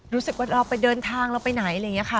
รู้สึกว่าเราไปเดินทางเราไปไหนอะไรอย่างนี้ค่ะ